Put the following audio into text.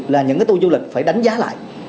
là những cái tour du lịch phải đánh giá lại